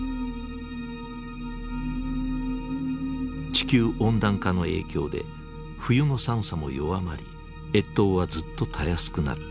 地球温暖化の影響で冬の寒さも弱まり越冬はずっとたやすくなった。